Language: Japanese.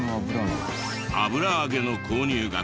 油あげの購入額